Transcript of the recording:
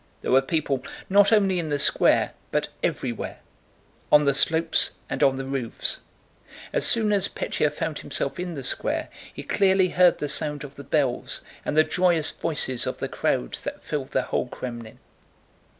There were people not only in the square, but everywhere—on the slopes and on the roofs. As soon as Pétya found himself in the square he clearly heard the sound of bells and the joyous voices of the crowd that filled the whole Krémlin.